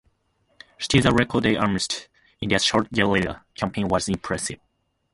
Still, the record they amassed in their short guerrilla campaign was impressive.